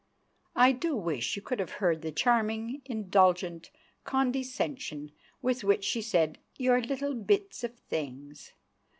I do wish you could have heard the charming, indulgent condescension with which she said "your little bits of things"!